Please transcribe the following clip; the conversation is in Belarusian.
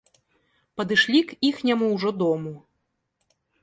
Падышлі к іхняму ўжо дому.